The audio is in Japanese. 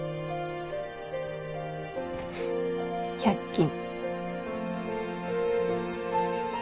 １００均。